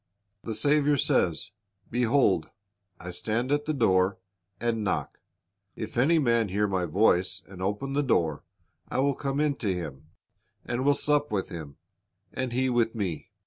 The Saviour says, "Behold, I stand at the door, and knock; if any man hear My voice, and open the door, I wi'.l come in to him, and will sup with him, and he with Me."